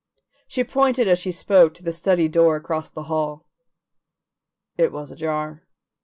She pointed as she spoke to the study door across the hall; it was ajar.